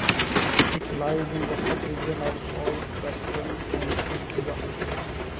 It lies in the subregion of Southwestern Antioquia.